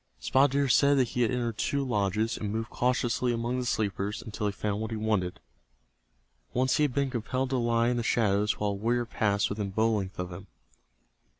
Spotted Deer said that he had entered two lodges, and moved cautiously among the sleepers until he found what he wanted. Once he had been compelled to lie in the shadows while a warrior passed within bow length of him.